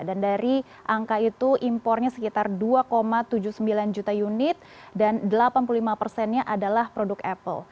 dan dari angka itu impornya sekitar dua tujuh puluh sembilan juta unit dan delapan puluh lima nya adalah produk apple